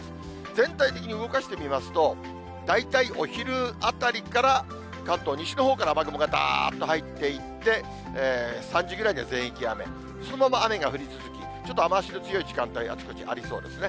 全体的に動かしてみますと、大体お昼あたりから、関東、西のほうから雨雲がだーっと入っていって、３時間ぐらいには全域あめ、そのまま雨が降り続き、ちょっと雨足の強い時間帯、あちこちありそうですね。